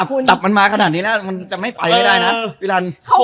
อ่าตับมันมาขนาดนี้นะมันจะไม่ไปได้นะ